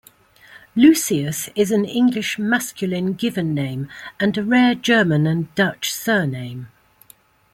Lucius is an English masculine given name and a rare German and Dutch surname.